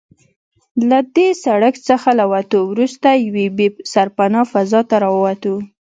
له دې سړک څخه له وتو وروسته یوې بې سرپنا فضا ته راووتو.